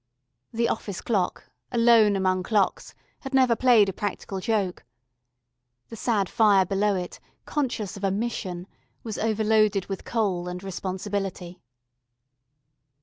The office clock, alone among clocks, had never played a practical joke. The sad fire below it, conscious of a Mission, was overloaded with coal and responsibility.